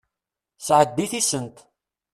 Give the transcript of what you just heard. Sɛeddi tisent.